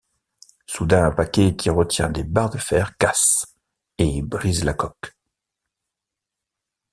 Soudain un paquet qui retient des barres de fer casse et brise la coque.